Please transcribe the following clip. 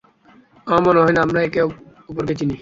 আমার মনে হয়না আমরা একে অপরকে চিনি।